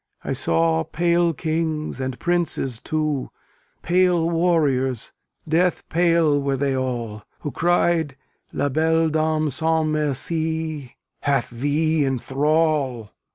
I saw pale kings, and princes too, Pale warriors, death pale were they all; Who cried "La belle Dame sans merci Hath thee in thrall!"